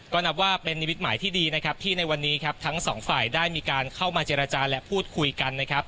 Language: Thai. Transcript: ก็นับว่าเป็นนิมิตหมายที่ดีนะครับที่ในวันนี้ครับทั้งสองฝ่ายได้มีการเข้ามาเจรจาและพูดคุยกันนะครับ